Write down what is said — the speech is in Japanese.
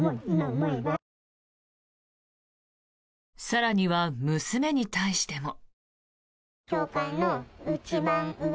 更には娘に対しても。